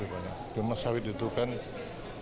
memang yang banyak sekarang itu sawit ya sebenarnya